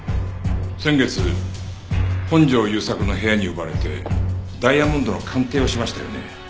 先月本城雄作の部屋に呼ばれてダイヤモンドの鑑定をしましたよね？